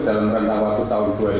dalam rentang wang tersebut